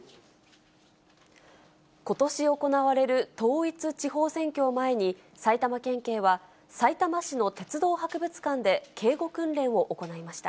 ことし行われる統一地方選挙を前に、埼玉県警はさいたま市の鉄道博物館で、警護訓練を行いました。